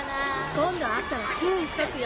今度会ったら注意しとくよ。